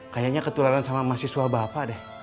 kayaknya ketularan sama mahasiswa bapak deh